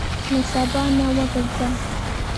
له سبا نه وګرځه.